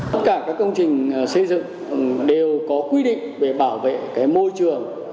tất cả các công trình xây dựng đều có quy định về bảo vệ môi trường